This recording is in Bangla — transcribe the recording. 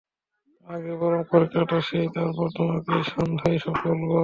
আগে বরং পরীক্ষাটা দেই তারপর তোমাকে সন্ধ্যায় সব বলব।